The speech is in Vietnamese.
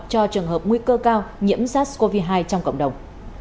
cho trường hợp nguy cơ cao nhiễm sars cov hai trong cộng đồng